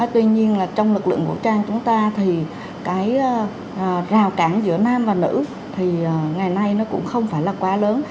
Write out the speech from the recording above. tuy nhiên là trong lực lượng vũ trang chúng ta thì cái rào cản giữa nam và nữ thì ngày nay nó cũng không phải là quá lớn